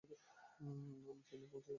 আমি চেন্নাইয়ে পৌঁছেছি।